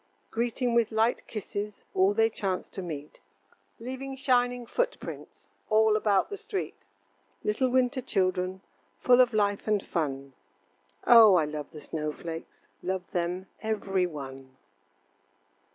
Greeting with light kisses All they chance to meet, Leaving shining footprints All about the street. Little winter children Full of life and fun Oh! I love the snow flakes, Love them every one.